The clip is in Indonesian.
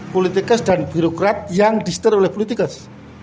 politikas dan birokrat yang diserah oleh politikas